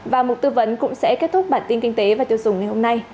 và một tư vấn cũng sẽ kết thúc bản tin kinh tế và tiêu dùng ngày hôm nay